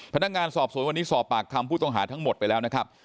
พนักงานสอบสวนวันนี้สอบปากคำผู้ต้องหาทั้งหมดไปแล้วนะครับ